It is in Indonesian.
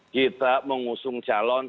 kita mengusung calon